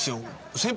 先輩